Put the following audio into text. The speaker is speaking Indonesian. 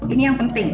ini yang penting